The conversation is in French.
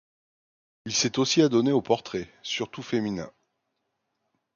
Il s'est aussi adonné aux portraits, surtout féminins.